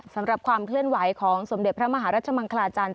ความเคลื่อนไหวของสมเด็จพระมหารัชมังคลาจารย